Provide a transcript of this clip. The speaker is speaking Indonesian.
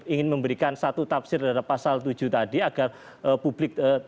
ingin memberikan satu tafsir terhadap pasal tujuh tadi agar publik